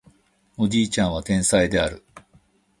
おじいちゃんは天才である